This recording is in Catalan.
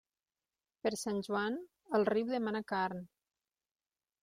Per Sant Joan, el riu demana carn.